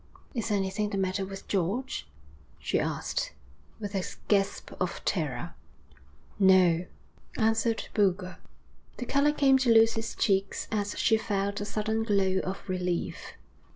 'Is anything the matter with George?' she asked, with a gasp of terror. 'No,' answered Boulger. The colour came to Lucy's cheeks as she felt a sudden glow of relief.